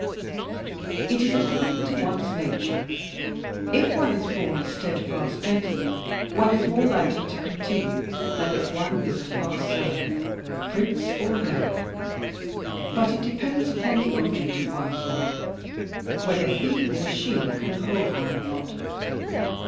"It is according to one's nature; if one is born a steadfast gentleman, one is more likely to continue than if one is a farceur prince or no but it depends upon the object of one's love whether he or she can hold one or not.